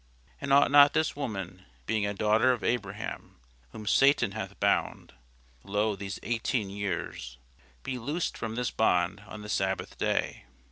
And ought not this woman, being a daughter of Abraham, whom Satan hath bound, lo, these eighteen years, be loosed from this bond on the sabbath day?